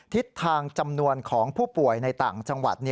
ทิศทางจำนวนของผู้ป่วยในต่างจังหวัด